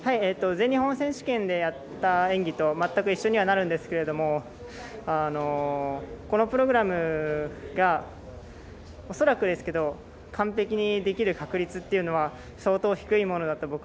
全日本選手権でやった演技と全く一緒にはなるんですけどこのプログラムが恐らくですけど、完璧にできる確率というのは相当低いものだと。